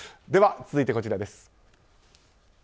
続いてこちらです。